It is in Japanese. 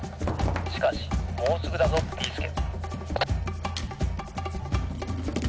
しかしもうすぐだぞビーすけ！」。